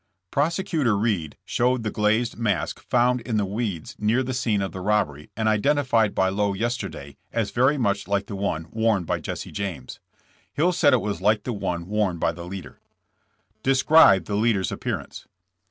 Prosecutor Reed showed the glazed mask found in the weeds near the scene of the robbery and iden tified by Lowe yesterday as very much like the one worn by Jesse James. Hills said it was like the one worn by the leader. Describe the leader's appearance.''